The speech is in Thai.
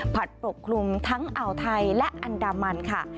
ปกคลุมทั้งอ่าวไทยและอันดามันค่ะ